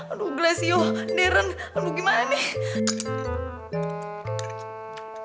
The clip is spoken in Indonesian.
aduh glasio deren aduh gimana nih